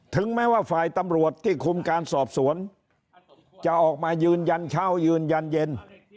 ถึงแม้ว่าฝ่ายตำรวจที่คุมการสอบสวนจะออกมายืนยันเช้ายืนยันเย็น